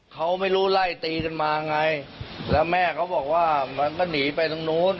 เขาไม่รู้ไล่ตีกันมาไงแล้วแม่เขาบอกว่ามันก็หนีไปตรงนู้น